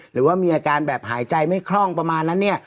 หรือว่ามีอาการแบบหายใจไม่คล่องประมาณนั้นเนี่ย